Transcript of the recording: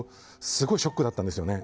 すごいショックだったんですよね。